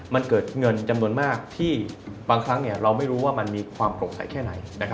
มันเกิดเงินจำนวนมากที่บางครั้งเราไม่รู้ว่ามันมีความโปร่งใสแค่ไหน